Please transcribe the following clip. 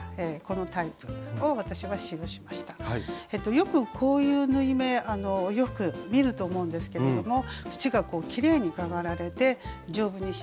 よくこういう縫い目お洋服で見ると思うんですけれども縁がきれいにかがられて丈夫に仕上がります。